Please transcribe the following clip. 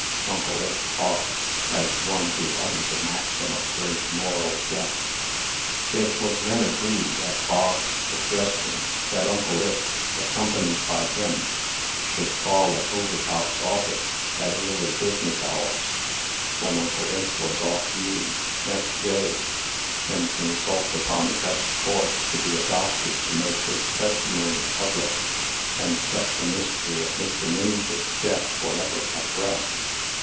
Uncle Ith coughed, as one who utters a maxim of great moral depth. It was then agreed, at Bog's suggestion, that Uncle Ith, accompanied by him, should call at Overtop's office, at early business hours (when Uncle Ith was off duty), next day, and consult upon the best course to be adopted to make his testimony public, and set the mystery of Mr. Minford's death forever at rest.